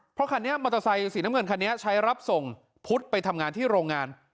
เพราะคันนี้มอเตอร์ไซค์สีน้ำเงินคันนี้ใช้รับส่งพุทธไปทำงานที่โรงงาน